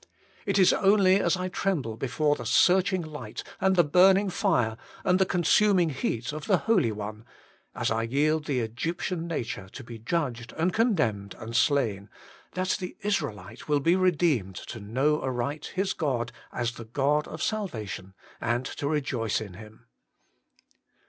It is only as I tremble before the Searching Light and the Burning Fire and the Consuming Heat of the Holy One, as I yield the Egyptian nature to be judged and condemned and slain, that the Israelite will be redeemed to know aright his God as the God of salvation, and to rejoice in Him.